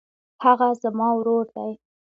هغه زما ورور دی.